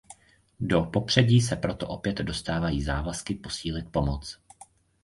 Do popředí se proto opět dostávají závazky posílit pomoc.